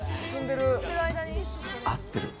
合ってる。